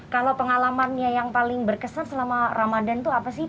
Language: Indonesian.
kalau pengalamannya yang paling berkesan selama ramadan itu apa sih